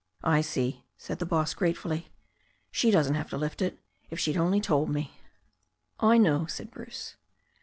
"I see," said the boss gratefully, "she doesn't have to lift it. If she'd only told me " "I know," said Bruce.